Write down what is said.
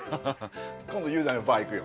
今度雄大のバー行くよ。